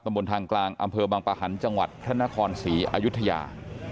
บนทางกลางอำเภอบางปะหันต์จังหวัดพระนครศรีอายุทยา